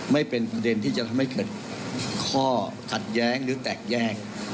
ไม่เป็นประเด็นที่จะทำให้เกิดข้อขัดแย้งหรือแตกแยก